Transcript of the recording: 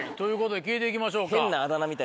聞いていきましょうか。